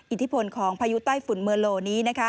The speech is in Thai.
อิทธิพลของพายุใต้ฝุ่นเมอร์โลนี้